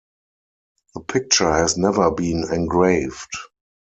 The picture has never been engraved.